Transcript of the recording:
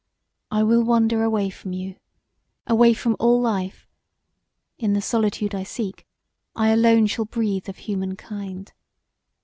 I will wander away from you, away from all life in the solitude I shall seek I alone shall breathe of human kind.